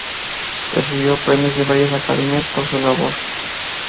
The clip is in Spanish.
Recibió premios de varias academias por su labor.